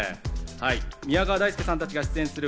宮川大輔さんたちが出演する。